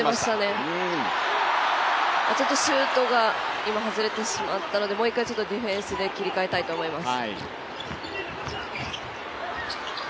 シュートが今、外れてしまったのでもう一回、ディフェンスで切り替えたいと思います。